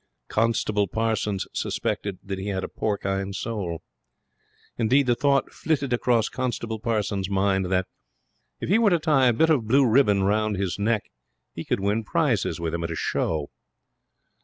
Constable Parsons suspected that he had a porcine soul. Indeed, the thought flitted across Constable Parsons' mind that, if he were to tie a bit of blue ribbon round his neck, he could win prizes with him at a show.